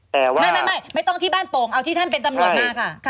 แต่ว่าไม่ไม่ไม่ไม่ต้องที่บ้านโป่งเอาที่ท่านเป็นตำหนดมาค่ะ